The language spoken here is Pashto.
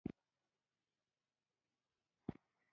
مستو ورته وویل: پسونه به خلاص شي.